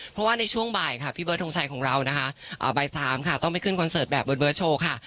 เพราะว่าในช่วงบ่ายพี่เบิร์ดทรงชัยของเราบ่าย๓ต้องไปขึ้นคอนเสิร์ตแบบเบิร์ดเบิร์ดโชว์ค่ะ